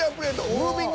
ムービング。